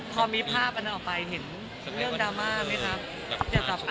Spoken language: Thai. พอมีภาพอันนั้นออกไปเห็นเรื่องดราม่าไหมคะ